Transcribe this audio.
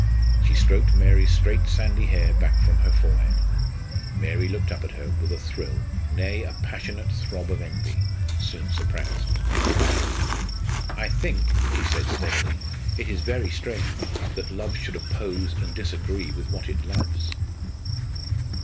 She stroked Mary's straight sandy hair back from her forehead. Mary looked up at her with a thrill, nay, a passionate throb of envy soon suppressed. "I think," she said steadily, "it is very strange that love should oppose and disagree with what it loves."